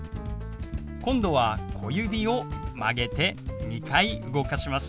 今度は小指を曲げて２回動かします。